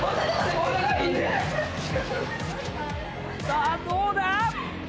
さあどうだ？